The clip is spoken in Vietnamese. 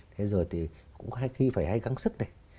thế rồi thì cũng hay khi phải hay gắn sức này